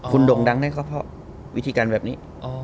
คุณโด่งดังได้ก็เพราะวิธีการแบบนี้